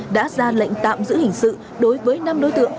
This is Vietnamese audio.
đã ra lệnh tạm giữ hình sự đối với năm đối tượng